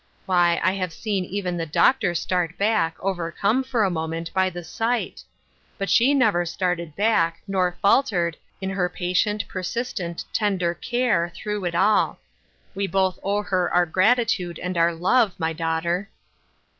Why, I have seen even the doctor start back, overcome, for a moment, by the sight ! But she never started back, nor faltered, in her patient, persistent, tender care, through it all. We both owe her our gratitude and our love, my daughter."